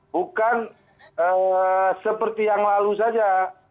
bukan seperti yang lalu saja